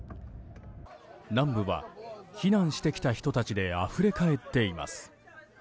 南部は避難してきた人たちであふれかえっています。